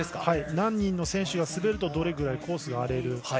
何人の選手が滑るとどれぐらいコースが荒れる。